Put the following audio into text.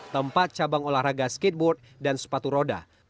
tempat cabang olahraga skateboard dan sepatu roda